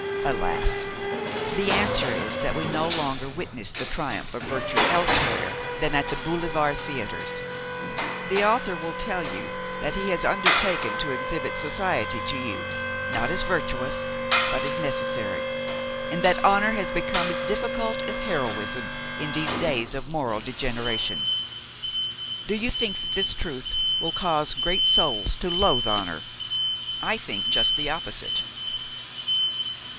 Alas! the answer is that we no longer witness the triumph of virtue elsewhere than at the boulevard theatres. The author will tell you that he has undertaken to exhibit society to you, not as virtuous, but as necessary, and that honor has become as difficult as heroism in these days of moral degeneration. Do you think that this truth will cause great souls to loathe honor? I think just the opposite.